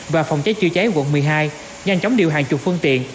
và phòng cháy chữa cháy quận một mươi hai nhanh chóng điều hàng chục phương tiện